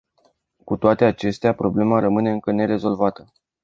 Cu toate acestea, problema rămâne încă nerezolvată.